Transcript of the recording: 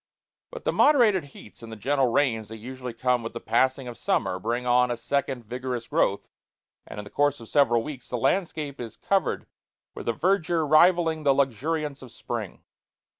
But the moderated heats and the gentle rains that usually come with the passing of summer bring on a second vigorous growth, and in the course of several weeks the landscape is covered with a verdure rivalling the luxuriance of spring.